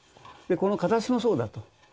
でこの形もそうだと。